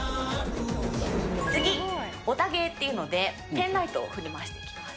次、オタ芸というので、ペンライトを振り回していきます。